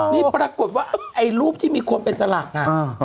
นี่ปรากฏว่าไอ้รูปที่มีคนเป็นสลักน่ะ